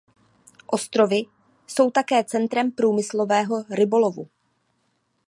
Ostrovy jsou také centrem průmyslového rybolovu.